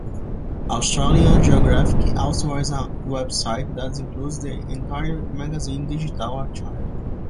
Australian Geographic also has a website that includes the entire magazine digital archive.